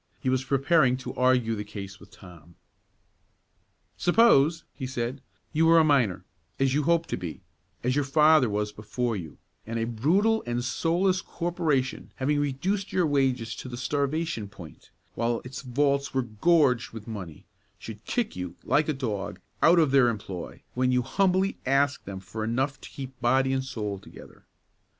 He was preparing to argue the case with Tom. "Suppose," said he, "you were a miner, as you hope to be, as your father was before you; and a brutal and soulless corporation, having reduced your wages to the starvation point, while its vaults were gorged with money, should kick you, like a dog, out of their employ, when you humbly asked them for enough to keep body and soul together.